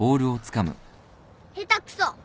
下手くそ。